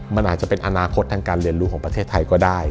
มันอาจจะเป็นอนาคตทางการเรียนรู้ของประเทศไทยก็ได้